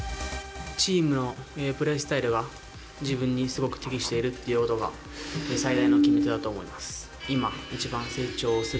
チームのプレースタイルが、自分にすごく適しているということが、最大の決め手だと思います。